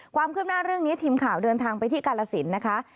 ความคืบหน้าเรื่องนี้ทีมข่าวเดินทางไปที่กาลสินนะคะ